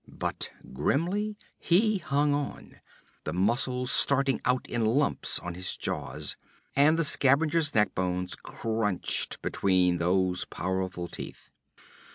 But grimly he hung on, the muscles starting out in lumps on his jaws. And the scavenger's neck bones crunched between those powerful teeth.